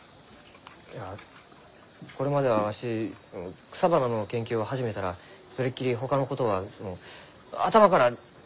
いやこれまではわし草花の研究を始めたらそれっきりほかのことは頭から全部かき消えました。